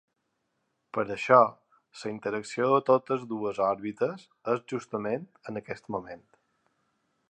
Per això, la interacció de totes dues òrbites és justament en aquest moment.